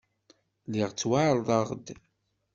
Lliɣ ttwaɛerḍeɣ-d.